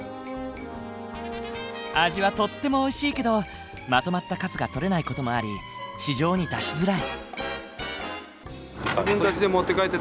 味はとってもおいしいけどまとまった数が取れない事もあり市場に出しづらい。